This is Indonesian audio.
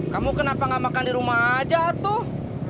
kamu kenapa nggak makan di rumah aja tuh